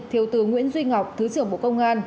thiếu tướng nguyễn duy ngọc thứ trưởng bộ công an